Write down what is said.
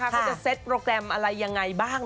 เขาจะเซ็ตโปรแกรมอะไรยังไงบ้าง